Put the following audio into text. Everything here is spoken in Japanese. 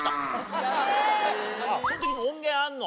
そん時の音源あんの？